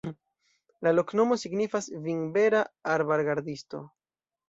La loknomo signifas: vinbera-arbargardisto.